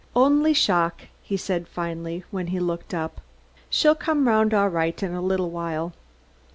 "Only shock," he said finally, when he looked up. "She'll come round all right in a little while."